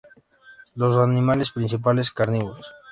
Son animales principalmente carnívoros.